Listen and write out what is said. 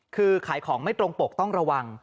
คือขายของไม่ตรงปกต้องระวัง